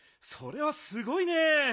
それはすごいねえ。